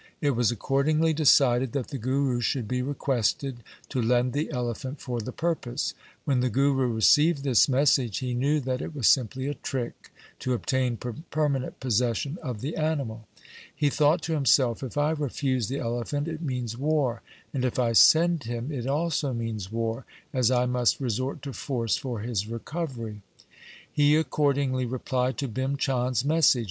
It was accordingly decided that the Guru should be requested to lend the elephant for the purpose. When the Guru received this message he knew that it was simply a trick to obtain permanent possession of the animal. He thought to himself, ' If I refuse the elephant, it means war, and if I send him it also means war, as I must resort to force for his LIFE OF GURU GOBIND SINGH 9 recovery.' He accordingly replied to Bhim Chand's message..